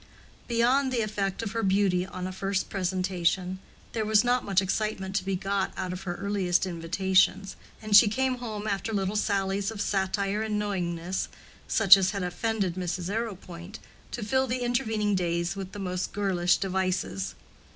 Beyond the effect of her beauty on a first presentation, there was not much excitement to be got out of her earliest invitations, and she came home after little sallies of satire and knowingness, such as had offended Mrs. Arrowpoint, to fill the intervening days with the most girlish devices.